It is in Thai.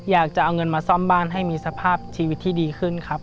อยากจะเอาเงินมาซ่อมบ้านให้มีสภาพชีวิตที่ดีขึ้นครับ